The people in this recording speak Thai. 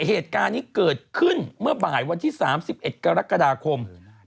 เหตุการณ์นี้เกิดขึ้นเมื่อบ่ายวันที่๓๑กรกฎาคม